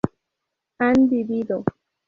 han vivido